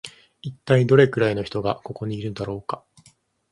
一体どれくらいの人がここのいるのだろうか